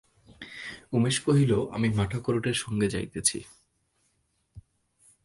উমেশ কহিল, আমি মাঠাকরুনের সঙ্গে যাইতেছি।